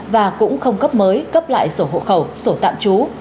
và cũng không cấp mới cấp lại sổ hộ khẩu sổ tạm trú